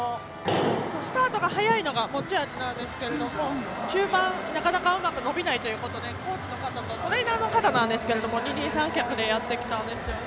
スタートが早いのが持ち味なんですが中盤、なかなかうまく伸びないということでコーチの方とトレーナーの方なんですが二人三脚でやってきたんですよね。